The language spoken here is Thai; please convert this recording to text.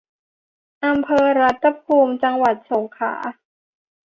อำเภอรัตภูมิ จังหวัดสงขลา